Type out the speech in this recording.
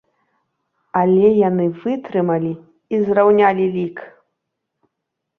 Але яны вытрымалі і зраўнялі лік!